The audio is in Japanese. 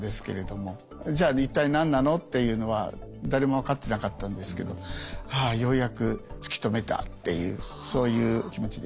もじゃあ一体何なのっていうのは誰も分かってなかったんですけど「ああようやく突き止めた」っていうそういう気持ちでした。